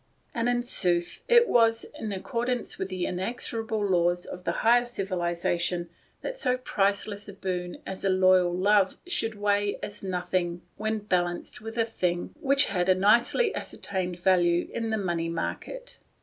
And, to be sure, it was in accordance with the inexorable laws of the higher civilisation that so priceless a boon as a loyal love should weigh as nothing when balanced with a thing which had a nicely ascertained value in the money market.